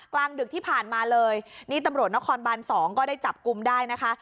กลางดึกที่ผ่านมาเลยนี่ตำรวจนครบานสองก็ได้จับกลุ่มได้นะคะ